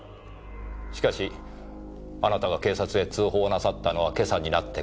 しかしあなたが警察へ通報なさったのは今朝になってから。